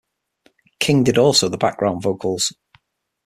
King did also the background vocals.